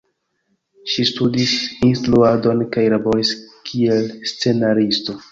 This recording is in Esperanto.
Ŝi studis instruadon kaj laboris kiel scenaristo.